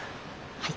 はい。